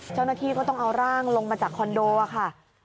เจ้าหน้าที่ก็ต้องเอาร่างลงมาจากคอนโดค่ะ